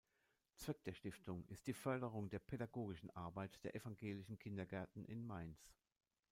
Zweck der Stiftung ist die Förderung der pädagogischen Arbeit der Evangelischen Kindergärten in Mainz.